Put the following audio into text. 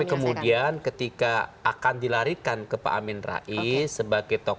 tapi kemudian ketika akan dilarikan ke pak amin rais sebagai tokoh